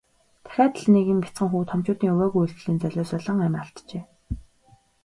Дахиад л нэгэн бяцхан хүү томчуудын увайгүй үйлдлийн золиос болон амиа алджээ.